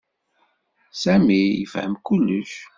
Sami yefhem kullec.